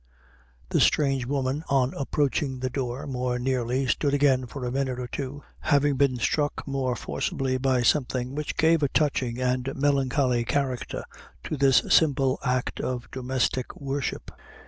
The strange woman on approaching the door more nearly, stood again for a minute or two, having been struck more forcibly by something which gave a touching and melancholy character to this simple act of domestic worship.